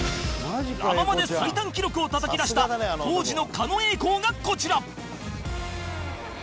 ラ・ママで最短記録をたたき出した当時の狩野英孝がこちら